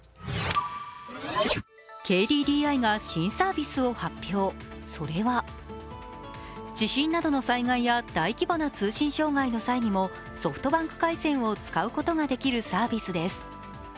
ＫＤＤＩが新サービスを発表、それは地震などの災害や大規模な通信障害の際にもソフトバンク回線を使うことができるサービスです。